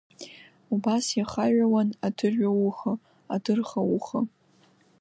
Убас иахаҩауан адырҩауха, адырхауха…